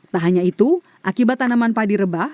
tak hanya itu akibat tanaman padi rebah